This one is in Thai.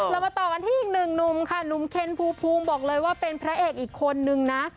เรามาต่อกันที่อีกหนึ่งหนุ่มค่ะหนุ่มเคนภูมิบอกเลยว่าเป็นพระเอกอีกคนนึงนะ